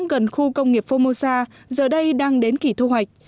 gần khu công nghiệp phomosa giờ đây đang đến kỷ thu hoạch